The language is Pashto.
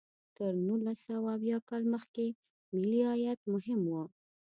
تر نولس سوه اویا کال مخکې ملي عاید مهم و.